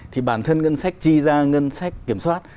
thì bản thân ngân sách chi ra ngân sách kiểm soát